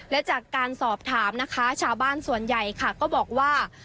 และจากการสอบถามนะคะชาวบ้านส่วนใหญ่ค่ะก็บอกว่า